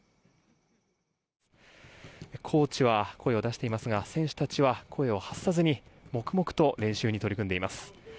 コーチは声を出していますが選手たちは声を発さずに黙々と練習に取り組んでいます。